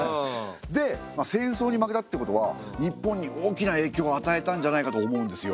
で戦争に負けたってことは日本に大きな影響をあたえたんじゃないかと思うんですよ。